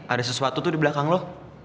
ada sesuatu tuh di belakang lo